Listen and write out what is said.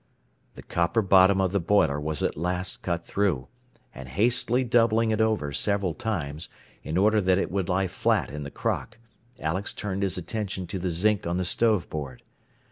The copper bottom of the boiler was at last cut through, and hastily doubling it over several times, in order that it would lie flat in the crock, Alex turned his attention to the zinc on the stove board.